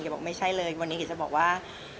บอกไม่ใช่เลยวันนี้แกจะบอกว่า